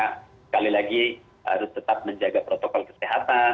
sekali lagi harus tetap menjaga protokol kesehatan